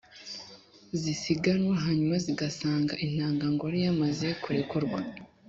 zisiganwa, hanyuma zigasanga intangangore yamaze kurekurwa